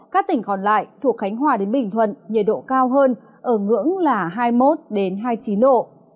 các tỉnh còn lại thuộc khánh hòa đến bình thuận nhiệt độ cao hơn ở ngưỡng là hai mươi một hai mươi chín độ